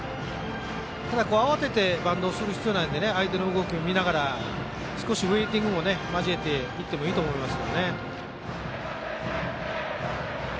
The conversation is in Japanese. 慌ててバントをする必要はないので相手の動きを見ながらすこしウエイティングも交えていってもいいと思います。